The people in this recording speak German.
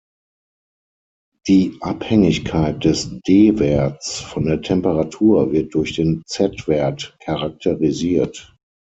Die Abhängigkeit des D-Werts von der Temperatur wird durch den z-Wert charakterisiert.